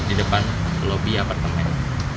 di depan lobi apartemen